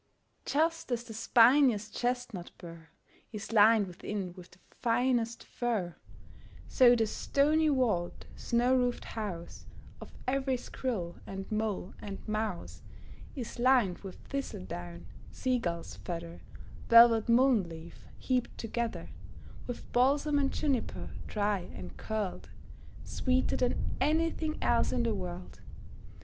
Just as the spiniest chestnut burr Is lined within with the finest fur, So the stony walled, snow roofed house Of every squirrel and mole and mouse Is lined with thistledown, sea gull's feather, Velvet mullein leaf, heaped together With balsam and juniper, dry and curled, Sweeter than anything else in the world.